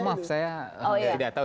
maaf saya tidak tahu